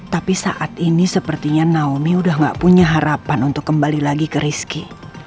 tapi saat ini sepertinya naomi udah gak punya harapan untuk kembali lagi ke rizky